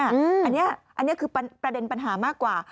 อันนี้คือประเด็นปัญหามากกว่า